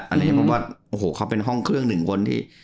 โดยเฉพาะโอ้โหเขาเป็นห้องเครื่องหนึ่งคนที่